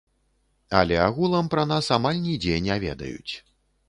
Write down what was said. Але агулам пра нас амаль нідзе не ведаюць.